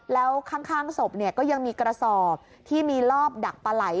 แล้วข้างศพก็ยังมีกระสอบที่มีรอบดักปลาไหล่